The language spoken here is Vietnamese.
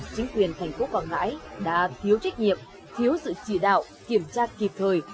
chính quyền thành phố quảng ngãi đã thiếu trách nhiệm thiếu sự chỉ đạo kiểm tra kịp thời